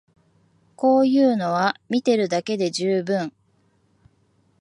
こういうのは見てるだけで充分